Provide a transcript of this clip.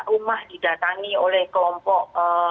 rumah didatangi oleh kelompok